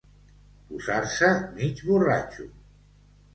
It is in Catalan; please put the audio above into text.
Posar-se mig borratxo.